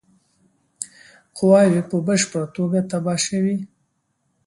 قواوي په بشپړه توګه تباه شوې.